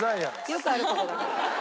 よくある事だから。